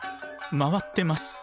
回ってます！